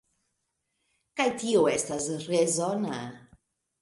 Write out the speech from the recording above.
Kaj tio estas rezona.